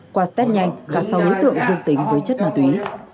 qua test nhanh cả sáu đối tượng dương tính với chất ma túy